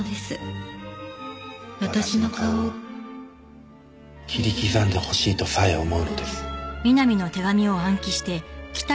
「私の顔を切り刻んでほしいとさえ思うのです」